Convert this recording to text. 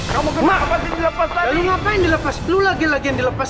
kamu kemasin lepas dari ngapain lepas pelu lagi lagi yang dilepas